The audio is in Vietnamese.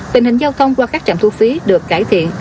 tình hình giao thông qua các trạm thu phí được cải thiện